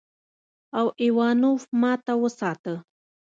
او ايوانوف ماته وساته.